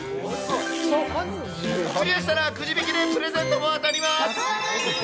クリアしたらくじ引きでプレゼントも当たります。